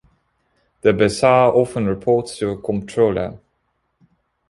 The bursar often reports to a comptroller.